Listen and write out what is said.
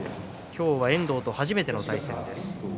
今日は遠藤と初めての対戦です。